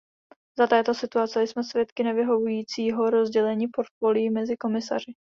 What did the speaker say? Za této situace jsme svědky nevyhovujícího rozdělení portfolií mezi komisaři.